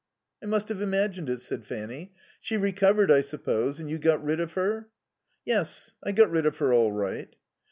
"I must have imagined it," said Fanny. "She recovered, I suppose, and you got rid of her?" "Yes, I got rid of her all right."